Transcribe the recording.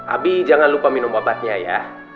abi jangan lupa minum obatnya ya